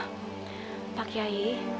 ah pak kiai